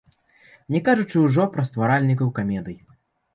Не кажучы ўжо пра стваральнікаў камедый.